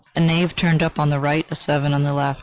A knave turned up on the right, a seven on the left.